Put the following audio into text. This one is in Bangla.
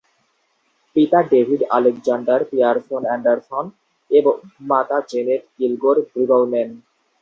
পিতা ডেভিড আলেকজান্ডার পিয়ারসন অ্যান্ডারসন এবং মাতা জেনেট কিলগোর ব্রিগলমেন।